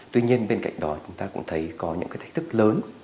tuy nhiên bên cạnh đó chúng ta cũng thấy có những cái thách thức lớn